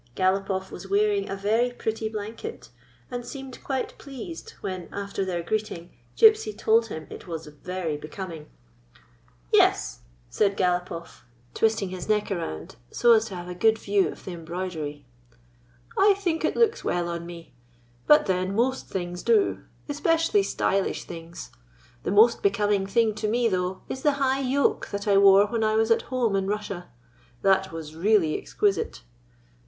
Galopoff was wearing a very pretty blanket, and seemed quite pleased when, after their greeting, Gypsy told him it was very becoming. "Yes," said Galopoff, twisting his neck around so as to have a good view of the em broidery. " I think it looks well on me. But, then, most things do — especially stylish things. The most becoming thing to me, though, is the high yoke that I wore when I was at home in Russia. That was really exquisite.